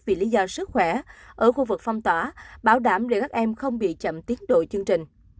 vì lý do sức khỏe ở khu vực phong tỏa bảo đảm để các em không bị chậm tiến độ chương trình